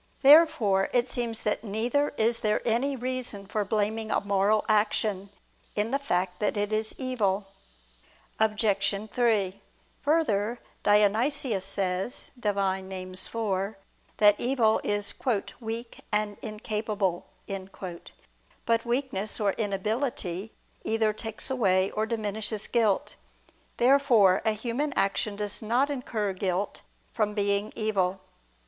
Therefore it seems that neither is there any reason for blaming a moral action, in the fact that it is evil. Obj. 3: Further, Dionysius says (Div. Nom. iv) that evil is "weak and incapable." But weakness or inability either takes away or diminishes guilt. Therefore a human action does not incur guilt from being evil.